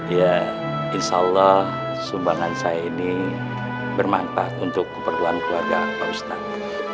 ya insya allah sumbangan saya ini bermanfaat untuk keperluan keluarga pak ustadz